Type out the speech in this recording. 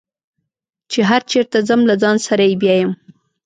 چې هر چېرته ځم له ځان سره یې بیایم.